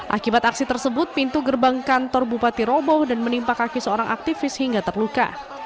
akibat aksi tersebut pintu gerbang kantor bupati roboh dan menimpa kaki seorang aktivis hingga terluka